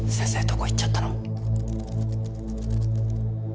どこ行っちゃったの？